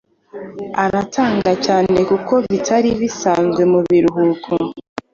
aratangara cyane kuko bitari bisanzwe mu biruhuko.